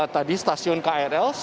tadi stasiun krl